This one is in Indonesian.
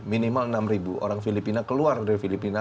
minimal enam ribu orang filipina keluar dari filipina